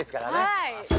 ◆はい。